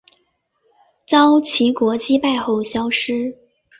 遭齐国击败后消失。